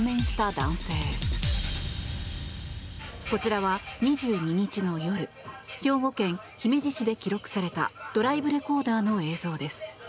こちらは２２日の夜兵庫県姫路市で記録されたドライブレコーダーの映像です。